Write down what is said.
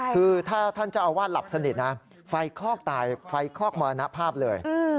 คือถ้าท่านเจ้าอาวาสหลับสนิทนะไฟคลอกตายไฟคลอกมรณภาพเลย